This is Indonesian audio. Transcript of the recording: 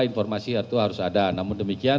informasi itu harus ada namun demikian